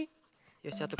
よしあと